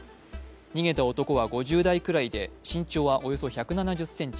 逃げた男は５０代くらいで身長はおよそ１７０ｃｍ。